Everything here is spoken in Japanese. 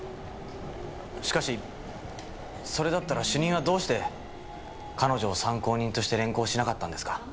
しかしそれだったら主任はどうして彼女を参考人として連行しなかったんですか？